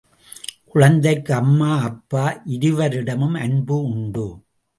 குழந்தைக்கு அம்மா, அப்பா இருவரிடமும் அன்பு உண்டு.